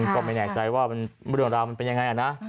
ก็ไม่แน่ใจว่ามันเป็นยังไงนะ